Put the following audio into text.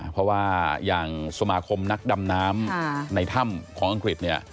เพราะว่าอย่างสมาคมนักดำน้ำในถ้ำของอังกฤษเนี่ย